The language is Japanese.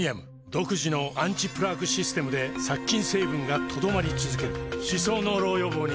独自のアンチプラークシステムで殺菌成分が留まり続ける歯槽膿漏予防にプレミアム